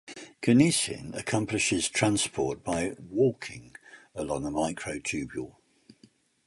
Kinesin accomplishes transport by "walking" along a microtubule.